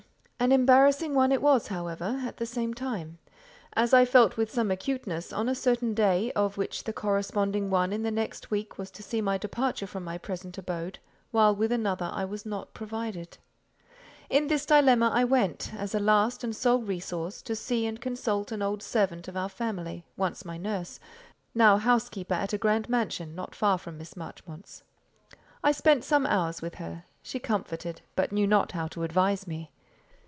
An embarrassing one it was, however, at the same time; as I felt with some acuteness on a certain day, of which the corresponding one in the next week was to see my departure from my present abode, while with another I was not provided. In this dilemma I went, as a last and sole resource, to see and consult an old servant of our family; once my nurse, now housekeeper at a grand mansion not far from Miss Marchmont's. I spent some hours with her; she comforted, but knew not how to advise me.